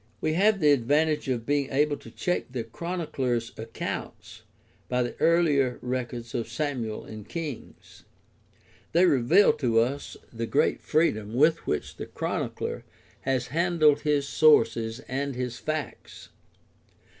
We have the advantage of being able to check the Chron icler's accounts by the earlier records of Samuel and Kings; they reveal to us the great freedom with which the Chronicler has handled his sources and his facts.